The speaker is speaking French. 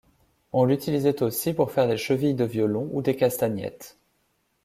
On l'utilisait aussi pour faire des chevilles de violon ou des castagnettes.